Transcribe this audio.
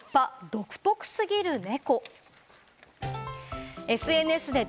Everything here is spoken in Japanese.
独特過ぎる猫。